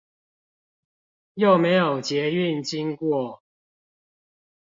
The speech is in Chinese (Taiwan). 又沒有捷運經過